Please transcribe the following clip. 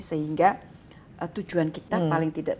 sehingga tujuan kita paling terakhir